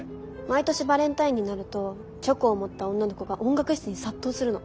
毎年バレンタインになるとチョコを持った女の子が音楽室に殺到するの。